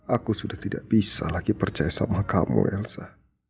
aku sudah tidak bisa lagi percaya sama kamu elsa